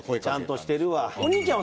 ちゃんとしてるわ。